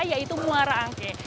yaitu muara angke